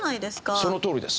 そのとおりです。